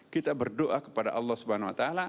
kita berdoa kepada allah swt